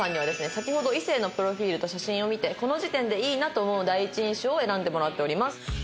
先ほど異性のプロフィールと写真を見てこの時点でいいなと思う第一印象を選んでもらっております。